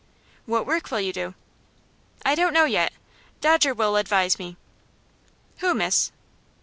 "What work will you do?" "I don't know yet. Dodger will advise me." "Who, miss?"